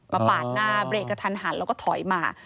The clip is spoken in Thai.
ปาดหน้าเบรกกระทันหันแล้วก็ถอยมา